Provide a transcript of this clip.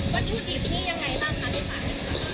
วัตถุดิบนี่ยังไงบ้างคะในฝัน